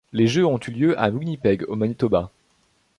Les jeux ont eu lieu à Winnipeg, au Manitoba.